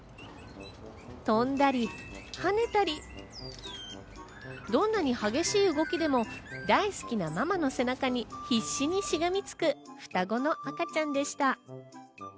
飛んだり、跳ねたり、どんなに激しい動きでも、大好きなママの背中に必死にしがみつく双子の赤ちゃんでした。